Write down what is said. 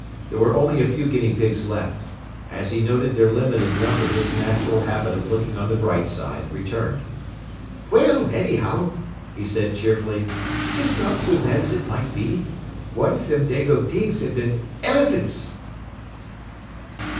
There were only a few guinea pigs left. As he noted their limited number his natural habit of looking on the bright side returned. “Well, annyhow,” he said cheerfully, “'tis not so bad as ut might be. What if thim dago pigs had been elephants!